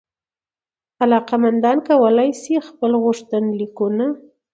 علاقمندان کولای سي خپل غوښتنلیکونه